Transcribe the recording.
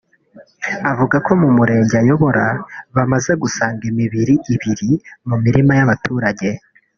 avuga ko mu Murenge ayobora bamaze gusanga imibiri ibiri mu mirima y’abaturage